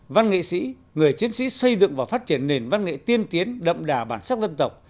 văn nghệ sĩ người chiến sĩ xây dựng và phát triển nền văn nghệ tiên tiến đậm đà bản sắc dân tộc